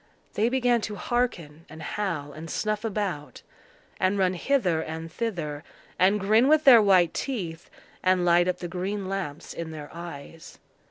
They began to hearken and howl and snuff about, and run hither and thither, and grin with their white teeth, and light up the green lamps in their eyes.